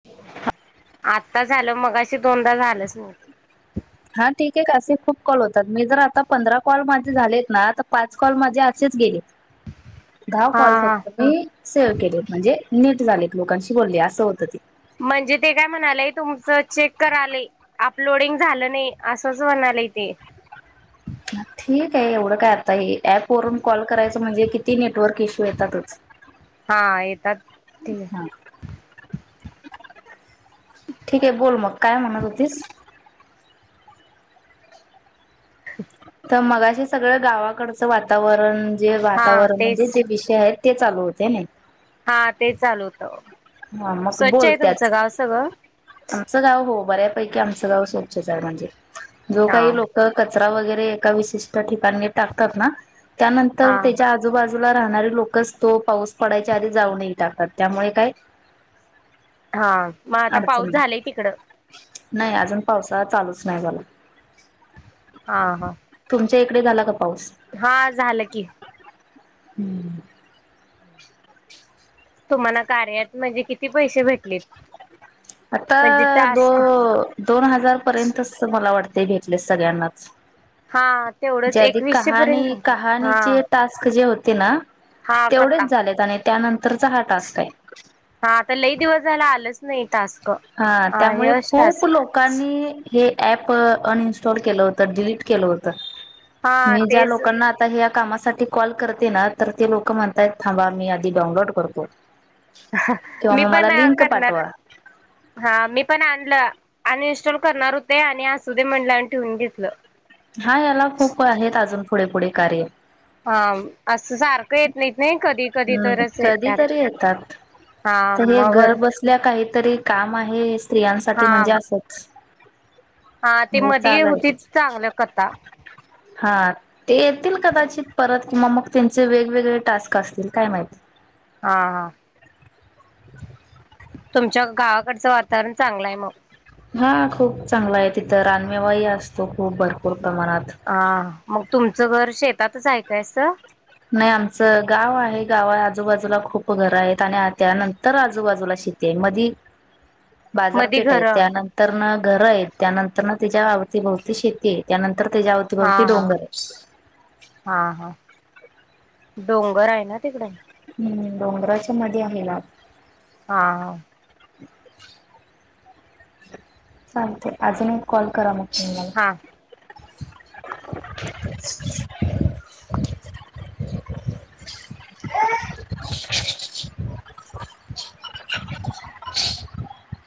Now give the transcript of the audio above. [inaudible] आत्ता झालं मग अशी दोनदा झालंच नव्ह हा ठीक असे खूप कॉल होतात, मी जर आता पंधरा कॉल माझे झालेत ना तर पाच कॉल माझे असेच गेले. [inaudible] दहा कॉल हा. फक्त मी सेव्ह केलेत, म्हणजे नीट झाले लोकांशी बोलले असं होतं ते. तुमच चेक कराल अपलोडिंग झालं नाही, असंच म्हणाल ते. हम्. ठीक आहे एवढं काय आता आहे ऍप वरून कॉल करायचं म्हणजे किती नीट नेटवर्क इश्यू येतातच. हा येतात. ठीक आहे हम्. ठीक आहे, बोल मग काय म्हणत होतीस? तर मग असे सगळं गावाकडचं वातावरण जे हा वातावरण म्हणजे तेच जे विषय आहेत. ते चालू होते ना. हा, ते चालू होत. हा मग बोलतच गाव सगळं आमचं गाव हो बऱ्यापैकी आमच गावोच आहे म्हणजे जो हा काही लोक वरे ए वि ठिकाणी टाकतात त्यानंतर हा. त्याच्या आजू जू राहणारे लोकच तो पाऊस पडायच्या आधी जाऊन टाकत त्यामुळे काय हा मग आता अडचण पाऊस नाही झालाय तिकडं नाही अजून पावसा चालूच नाही झाला हा हा कडे झा हा झालं की हम्म तुम्हाला कार्यात म्हणजे किती पैसे भेटलेत आता म्हणजे दो टास्क दोन हजार पर्यंत मला वाटत ते भेटले सगळ्यांनाच हा तेवढंच जे आधी एकवीसशे पर्यंत कहाणी हा कहाणीचे टास्क जे होते ना हा कता तेवढेच झालेत आणि त्यानंतरचा हा टास्क आहे हा आता लई दिवस झायला आलंच नाही तास हा त्यामुळे खूप लोकांनी हे ऍप अनइन्स्टॉल केलं होतं डिलीट केलं होतं हा मी ज्या तेच लोकांना आता हे कामासाठी कॉल करते ना तर ते लोक म्हणतायत थांबा मी आधी डाउनलोड करतो किंवा मी मग पण मला लिंक करणार पाठवा हा मी पण आणलं अनइनस्टॉल करणार होते आणि असू दे म्हणलं आणि ठेवून घेतलं हा याला खूप आहेत अजून पुढे पुढे कार्य हा असं सारखं येत नाहीत नाही कधी हम्म तरच कधी येत्यात तरी येतात हा तर हे मग घर बसल्या काहीतरी काम आहे स्त्रियांसाठी हा म्हणजे असंच हा ते हे मध होती चालायचच चांगल्या कथा हा ते येतील कदाचित परत किंवा मग त्यांचे वेगवेगळे टास्क असतील काय माहि हा हा [unintelligible] तुमच्या गावाकडचं वातावरण चांगलं आहे मग हा खूप चांगला आहे तिथं रानमेवा ह असत तो खूप भरपूर प्रमाणात हा मग तुमचं घर शेतातच ऐकायस नाही आमचं गाव आहे गाव आजूबाजूला खूप घरं आहेत आणि त्यानंतर आजूबाजूला मध्ये ह बाजारपेठ आहे त्यानंतर न घर आहेत त्यानंतर त्याच्या आवती भोवती शेती आहे त्यानंतर तर हा त्याच्यावतीभवती हा डोंगरच हा हा डोंगर आहे ना तिकडं हम्म डोंगराच्या मध्ये आहे ना हा चालते अजून कॉल करा मग ह हा हा [unintelligible] [unintelligible] [unintelligible]